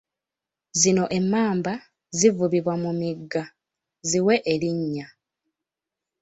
Zino emmamba zivubibwa mu migga ziwe erinnya.